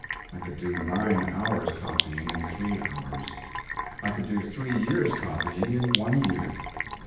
I could do nine hours' copying in three hours; I could do three years' copying in one year.